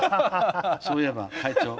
そういえば会長。